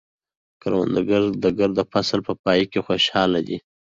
کروندګر د ګرده فصل په پای کې خوشحال دی